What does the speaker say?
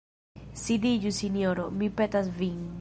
Sidiĝu, sinjoro, mi petas vin.